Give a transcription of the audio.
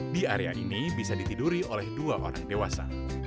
di area ini bisa ditiduri oleh dua orang dewasa